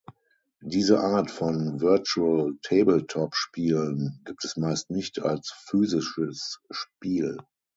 Diese Art von Virtual Tabletop Spielen gibt es meist nicht als physisches Spiel.